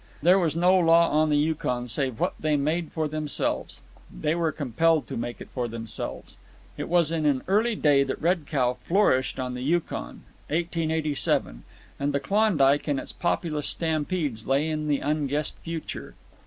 There was no law on the Yukon save what they made for themselves. They were compelled to make it for themselves. It was in an early day that Red Cow flourished on the Yukon—1887—and the Klondike and its populous stampedes lay in the unguessed future.